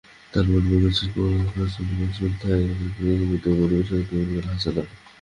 ধানমন্ডির বেঙ্গল শিল্পালয়ে কাল শনিবার সন্ধ্যায় একক আবৃত্তি পরিবেশন করবেন হাসান আরিফ।